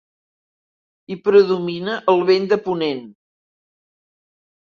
Hi predomina el vent de ponent.